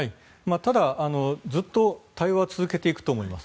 ただ、ずっと対話は続けていくと思います。